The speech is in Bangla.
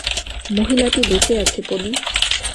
মহিলাটি বেঁচে আছে, পলি।